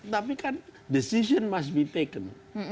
tapi kan decision must be taken